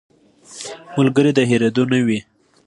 ملګری د هېرېدو نه وي